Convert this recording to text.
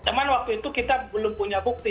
cuma waktu itu kita belum punya bukti